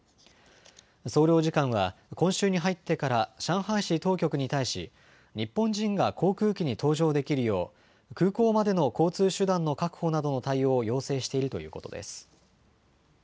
総領事館は今週に入ってから上海市当局に対し日本人が航空機に搭乗できるよう空港までの交通手段の確保などの対応を要請しているということです。